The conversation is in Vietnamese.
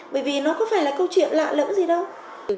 bởi vì nó có phải là câu chuyện lạ lẫm gì đâu